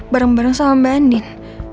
bareng bareng sama mbak nin